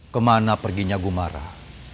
kemana perginya bumarah